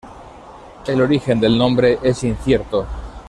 El origen del nombre es incierto.